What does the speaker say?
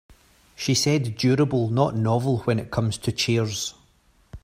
She said durable not novel when it comes to chairs.